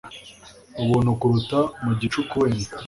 Ubuntu kuruta mu gicuku wenda